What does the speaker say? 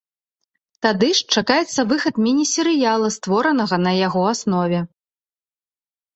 Тады ж чакаецца выхад міні-серыяла, створанага на яго аснове.